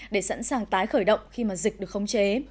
để sẵn sàng tái khởi động khi mà dịch được khống chế